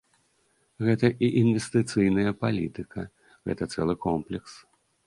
Гэта і інвестыцыйная палітыка, гэта цэлы комплекс.